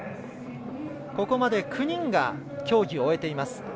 ここまで９人が競技を終えています。